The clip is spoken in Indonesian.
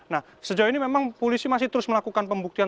nah sejauh ini memang polisi masih terus melakukan pembuktian